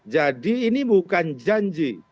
jadi ini bukan janji